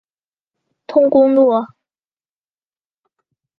通公路。